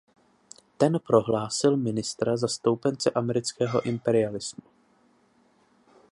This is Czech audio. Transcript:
Ten prohlásil ministra za stoupence amerického imperialismu.